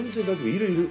いるいる。